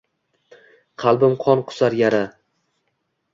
Qalbim qon qusar, yara…